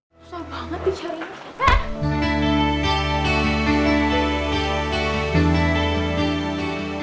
susah banget dicariin